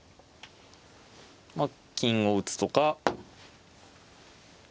まあ金を打つとか。